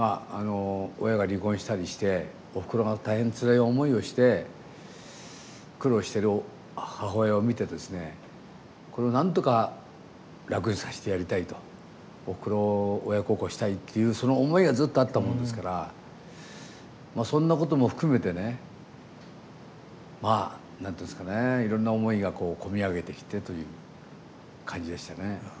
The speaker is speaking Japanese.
親が離婚したりしておふくろが大変つらい思いをして苦労している母親を見てですねなんとか楽にさせてやりたいとおふくろ親孝行をしたいっていうその思いがずっとあったもんですからそんなことも含めてね何て言うんですかねいろんな思いが込み上げてきてという感じでしたね。